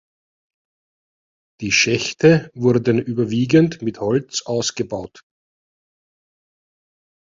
Die Schächte wurden überwiegend mit Holz ausgebaut.